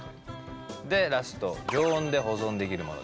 でラスト常温で保存できるものです。